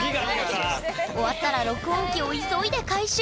終わったら録音機を急いで回収。